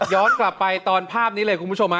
ย้อนกลับไปตอนภาพนี้เลยคุณผู้ชม